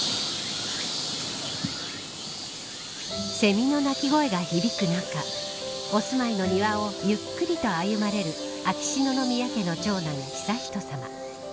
セミの鳴き声が響くなかお住まいの庭をゆっくりと歩まれる秋篠宮家の長男悠仁さま。